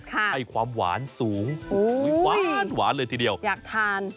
ให้ความหวานสูงหวานเลยทีเดียวอยากทาน